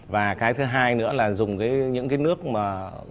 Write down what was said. và cái thứ hai nữa là dùng những cái nước mà